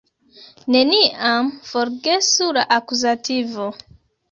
Neniam forgesu la akuzativo!